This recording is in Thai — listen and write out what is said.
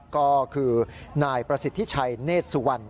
ก็คือนายประสิทธิชัยเนธสุวรรณ